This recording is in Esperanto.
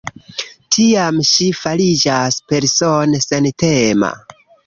Tiam ŝi fariĝas persone sentema.